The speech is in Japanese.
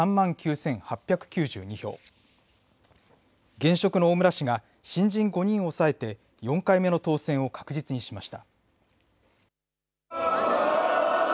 現職の大村氏が新人５人を抑えて４回目の当選を確実にしました。